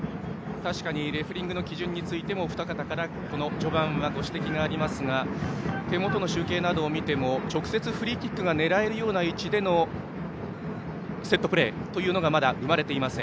確かにレフリングの基準についてもお二方から序盤ご指摘がありますが手元の集計などを見ても直接フリーキックが狙えるような位置でのセットプレーというのがまだ生まれていません。